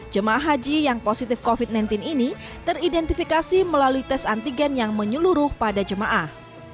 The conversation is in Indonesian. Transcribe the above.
jemaah haji yang positif covid sembilan belas ini teridentifikasi melalui tes antigen yang menyeluruh pada jemaah